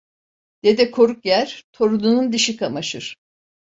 Dede koruk yer, torununun dişi kamaşır.